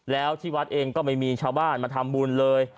แล้วที่วัดเองก็ไม่มีชาวบ้านมาทำบุญเลย